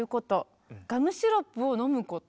「ガムシロップを飲むこと」。